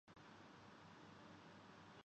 مدینہ مگر ایک تکثیری معاشرہ تھا۔